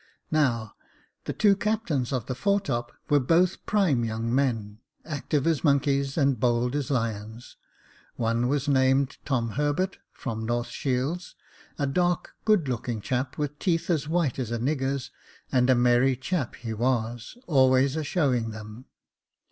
Now, the two captains of the foretop were both prime young men, active as monkeys, and bold as lions. One was named Tom Herbert, from North Shields, a dark, good looking chap, with teeth as white as a nigger's, and a merry chap he was, always a showing them.